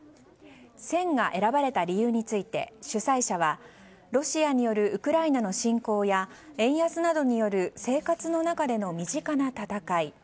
「戦」が選ばれた理由について主催者はロシアによるウクライナの侵攻や円安などによる生活の中での身近な戦い。